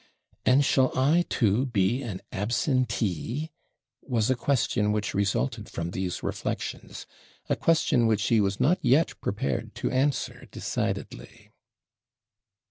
And shall I too be an absentee? was a question which resulted from these reflections a question which he was not yet prepared to answer decidedly.